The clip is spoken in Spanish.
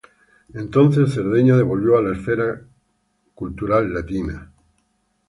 Entonces, Cerdeña devolvió a la esfera cultural latina.